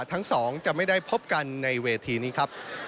ทั้งสองจะไม่ได้พบกันในเวทีนี้ครับ